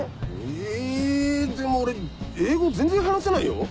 えでも俺英語全然話せないよ。